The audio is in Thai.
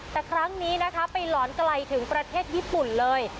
แต่ครั้งนี้นะคะไปหลอนไกลถึงประเทศญี่ปุ่นเลย